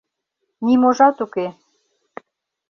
Ниможат уке.